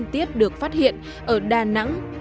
tiếp được phát hiện ở đà nẵng